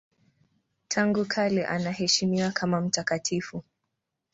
Tangu kale anaheshimiwa kama mtakatifu.